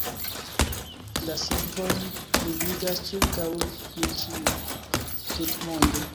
La sekvojn ni vidas ĉirkaŭ ni ĉie, tutmonde.